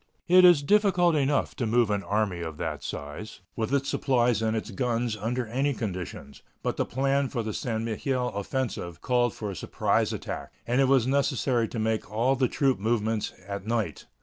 It is difficult enough to move an army of that size, with its supplies and its guns, under any conditions, but the plan for the St. Mihiel offensive called for a surprise attack, and it was necessary to make all the troop movements at night.